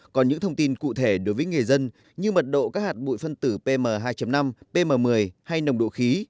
còn những thông tin cụ thể đối với người dân như mật độ các hạt bụi phân tử pm hai năm pm một mươi hay nồng độ khí